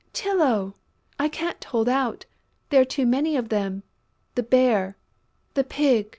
Tylô!... I can't hold out!... There are too many of them!... The Bear!... The Pig!